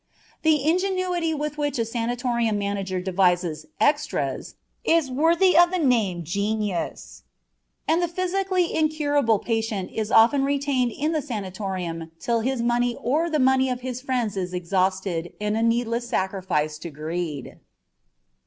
The ingenuity with which a sanatorium manager devises "extras" is worthy of the name of genius. And the physically incurable patient is often retained in the sanatorium till his money or the money of his friends is exhausted in a needless sacrifice to greed.